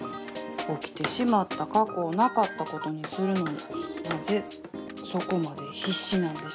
起きてしまった過去をなかったことにするのになぜそこまで必死なんでしょう。